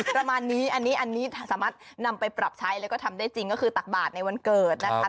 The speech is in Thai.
ประมาณนี้อันนี้สามารถนำไปปรับใช้แล้วก็ทำได้จริงก็คือตักบาทในวันเกิดนะคะ